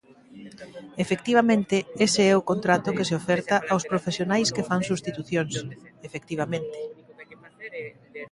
Efectivamente, ese é o contrato que se oferta aos profesionais que fan substitucións, efectivamente.